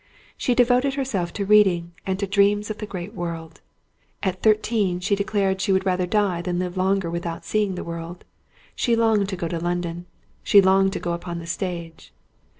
She devoted herself to reading and to dreams of the great world. At thirteen, she declared she would rather die than live longer without seeing the world; she longed to go to London; she longed to go upon the stage.